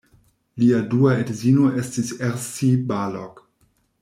Lia dua edzino estis Erzsi Balogh.